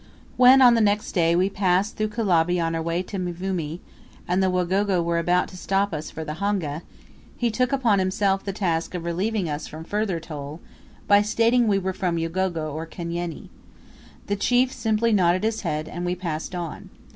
When, on the next day, we passed through Kulabi on our way to Mvumi, and the Wagogo were about to stop us for the honga, he took upon himself the task of relieving us from further toll, by stating we were from Ugogo or Kanyenyi. The chief simply nodded his head, and we passed on.